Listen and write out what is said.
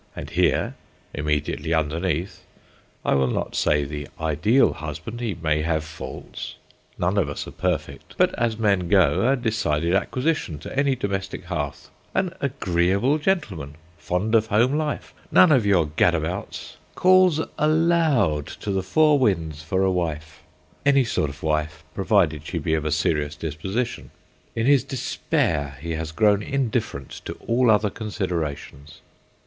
And here, immediately underneath—I will not say the ideal husband, he may have faults; none of us are perfect, but as men go a decided acquisition to any domestic hearth, an agreeable gentleman, fond of home life, none of your gad abouts—calls aloud to the four winds for a wife—any sort of a wife, provided she be of a serious disposition. In his despair, he has grown indifferent to all other considerations.